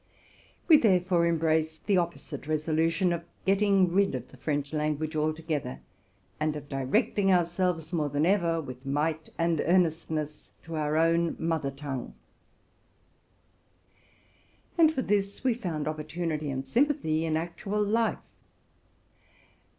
We therefore embrace the opposite resolution of getting rid of the French language altogether, and of directing ourselves more than ever, with might and earnestness, to our own mother tongue. And for this we found opportunity and sympathy in actual life.